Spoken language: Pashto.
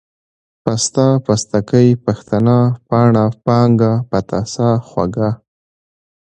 پسته ، پستکۍ ، پښتنه ، پاڼه ، پانگه ، پتاسه، خوږه،